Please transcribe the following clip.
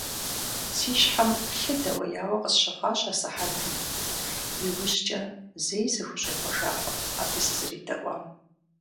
Си щхьэм лъы дэуеяуэ къысщыхъуащ асыхьэтым, иужькӀэ зэи сыхущӀегъуэжакъым абы сызэредэӀуам.